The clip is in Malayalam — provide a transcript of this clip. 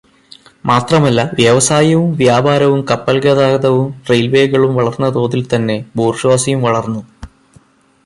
മാത്രമല്ല, വ്യവസായവും വ്യാപാരവും കപ്പൽഗതാഗതവും റെയിൽവേകളും വളർന്ന തോതിൽത്തന്നെ ബൂർഷ്വാസിയും വളർന്നു.